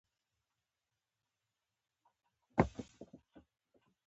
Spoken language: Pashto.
ټول هغه کسان چې په ژوند کې بریالي شوي دي